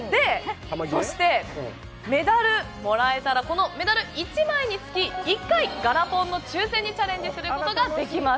そして、メダルがもらえたらこのメダル１枚につき、１回ガラポンの抽選にチャレンジすることができます。